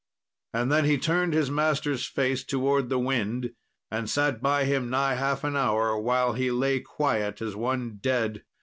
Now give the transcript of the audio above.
And then he turned his master's face towards the wind, and sat by him nigh half an hour while he lay quiet as one dead.